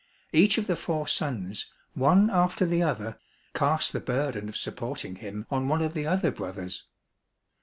Each of the four sons, one after the other, cast the burden of supporting him on one of the other brothers.